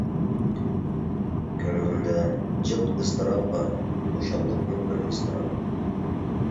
كۆڭلۈمدە جىق ئىزتىراپ بار، خۇشاللىقمۇ بىر ئىزتىراپ.